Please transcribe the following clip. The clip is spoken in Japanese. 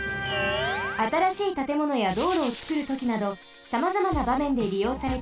あたらしいたてものやどうろをつくるときなどさまざまなばめんでりようされています。